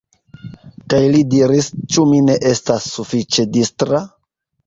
Kaj li diris: "Ĉu mi ne estas sufiĉe distra?